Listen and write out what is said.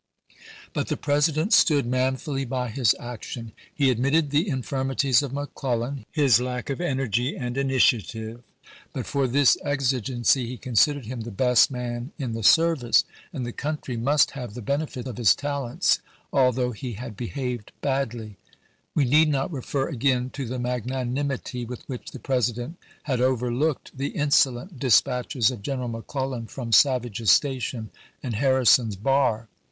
But the President stood man fully by his action. He admitted the infirmities of McClellan, his lack of energy and initiative, but Welles, " Lincolu and Seward," pp. 195, 196. 186 ABKAHAM LINCOLN CHAP. IX. for this exigency lie considered Mm the best man in the service, and the country must have the benefit of his talents, although he had behaved badly. We need not refer again to the magnanim ity with which the President had overlooked the insolent dispatches of General McClellan from Savage's Station and Harrison's Bar.